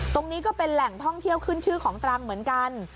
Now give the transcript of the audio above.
ก็เป็นแหล่งท่องเที่ยวขึ้นชื่อของตรังเหมือนกัน